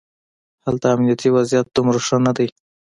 هلته امنیتي وضعیت دومره ښه نه دی.